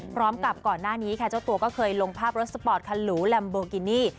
ก่อนหน้านี้ค่ะเจ้าตัวก็เคยลงภาพรถสปอร์ตคันหรูแลมโบกินี่